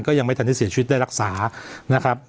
ยังไม่ทันที่เสียชีวิตได้รักษานะครับ